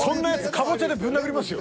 カボチャでぶん殴りますよ。